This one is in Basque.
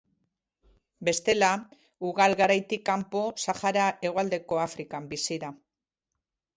Bestela, ugal garaitik kanpo Sahara hegoaldeko Afrikan bizi da.